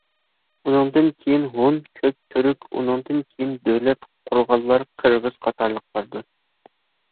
ئۇنىڭدىن كېيىن ھون، كۆك تۈرك، ئۇنىڭدىن كېيىن دۆلەت قۇرغانلار قىرغىز قاتارلىقلاردۇر.